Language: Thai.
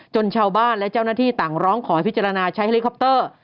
ชาวบ้านและเจ้าหน้าที่ต่างร้องขอให้พิจารณาใช้เฮลิคอปเตอร์